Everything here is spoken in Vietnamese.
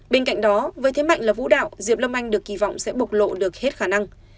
bên cạnh đó với thế mạnh là vũ đạo diệp lâm anh được kỳ vọng sẽ bộc lộ được hết khả năng